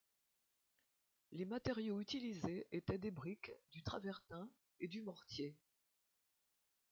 Les matériaux utilisés étaient des briques, du travertin et du mortier.